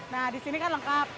nah di sini kan lengkap